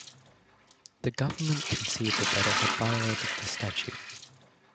The government conceded that it had violated the statute.